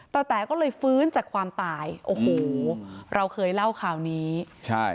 แต๋ก็เลยฟื้นจากความตายโอ้โหเราเคยเล่าข่าวนี้ใช่